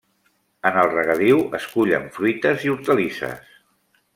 En el regadiu es cullen fruites i hortalisses.